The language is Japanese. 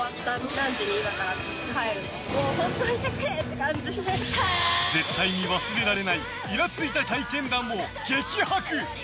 何時に帰る？とか絶対に忘れられないイラついた体験談を激白！